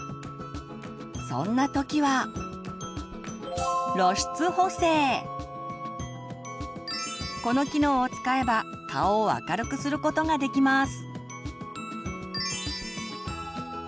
そんな時はこの機能を使えば顔を明るくすることができます。